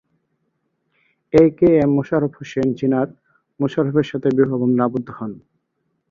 এ K M Mosharraf Hossain Zinat মোশাররফের সাথে বিবাহ বন্ধনে আবদ্ধ হন।